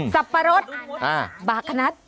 สับปะรดบากขนัด